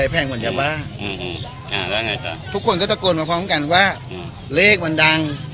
เราก็ใส่กระเป๋า